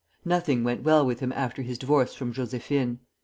Nothing went well with him after his divorce from Josephine.